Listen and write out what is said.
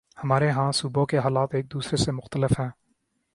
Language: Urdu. ہمارے ہاں صوبوں کے حالات ایک دوسرے سے مختلف ہیں۔